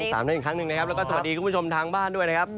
สวัสดีคุณผู้ชมทางบ้านด้วยนะครับ